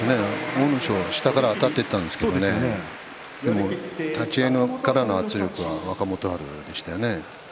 阿武咲は下からあたっていったんですけれど立ち合いからの圧力は若元春でしたね。